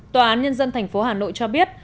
tòa án nhân dân tp hà nội cho biết